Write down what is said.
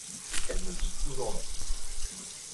Elle me dit toujours non.